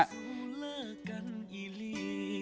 ถ้ามันสู้แล้วกันอีหลี